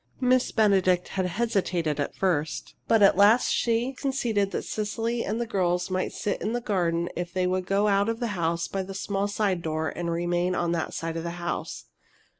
Miss Benedict had hesitated at first, but at last she conceded that Cecily and the girls might sit in the garden if they would go out of the house by a small side door and remain on that side of the house.